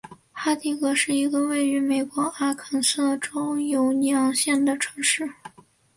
哈蒂格是一个位于美国阿肯色州犹尼昂县的城市。